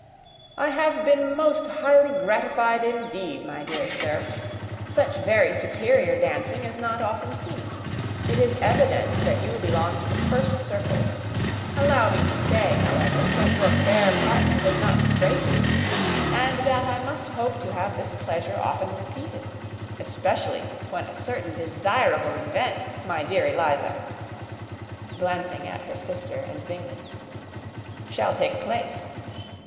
"I have been most highly gratified, indeed, my dear sir; such very superior dancing is not often seen. It is evident that you belong to the first circles. Allow me to say, however, that your fair partner does not disgrace you: and that I must hope to have this pleasure often repeated, especially when a certain desirable event, my dear Miss Eliza (glancing at her sister and Bingley), shall take place.